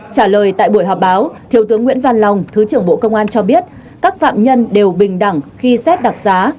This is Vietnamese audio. trả lời tại buổi họp báo thiếu tướng nguyễn văn long thứ trưởng bộ công an cho biết các phạm nhân đều bình đẳng khi xét đặc giá